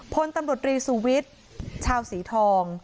พลตำรวจรีศวิชชาวศรีทอง